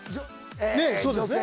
ねえそうですね